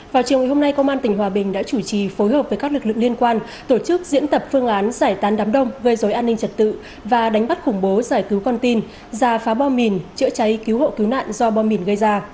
vào chiều ngày hôm nay công an tỉnh hòa bình đã chủ trì phối hợp với các lực lượng liên quan tổ chức diễn tập phương án giải tán đám đông gây dối an ninh trật tự và đánh bắt khủng bố giải cứu con tin giả phá bom mìn chữa cháy cứu hộ cứu nạn do bom mìn gây ra